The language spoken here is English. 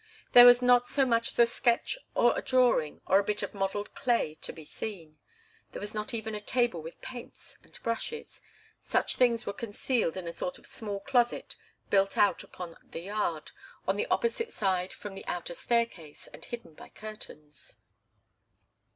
There was not so much as a sketch or a drawing or a bit of modelled clay to be seen. There was not even a table with paints and brushes. Such things were concealed in a sort of small closet built out upon the yard, on the opposite side from the outer staircase, and hidden by curtains.